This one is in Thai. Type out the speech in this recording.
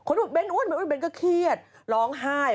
คนที่บอกเบ้นท์อ้วนเบ้นท์ก็เครียดร้องไห้